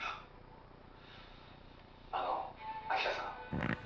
あの秋田さん。